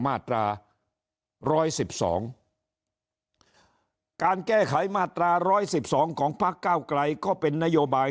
มาตรา๑๑๒การแก้ไขมาตรา๑๑๒ของพักเก้าไกลก็เป็นนโยบาย